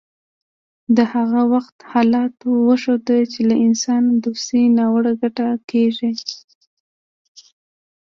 د هغه وخت حالاتو وښوده چې له انسان دوستۍ ناوړه ګټه اخیستل کیږي